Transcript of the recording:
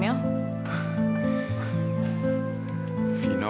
udah tidur di kamar aku